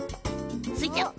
スイちゃん。